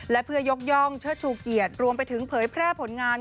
และเพื่อยกย่องเชิดชูเกียรติรวมไปถึงเผยแพร่ผลงาน